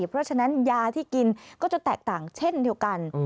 เพราะฉะนั้นยาที่กินก็จะแตกต่างเช่นเดียวกัน